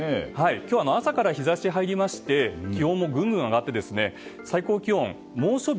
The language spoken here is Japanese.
今日は朝から日差しが入りまして気温もぐんぐん上がって最高気温、猛暑日